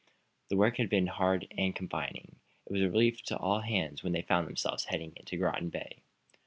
The work had been hard and confining. It was a relief to all hands when they found themselves heading into Groton Bay.